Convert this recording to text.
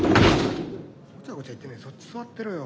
ごちゃごちゃ言ってねえでそっち座ってろよ。